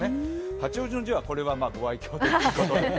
八王子の「子」はご愛きょうということで。